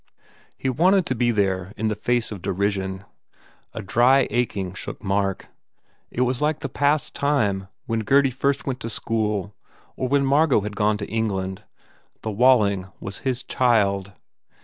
He wanted to be there in the face of derision. A dry aching shook Mark. It was like the past time when Gurdy first went to school or when Margot had 286 THE WALLING gone to England; the Walling was his child.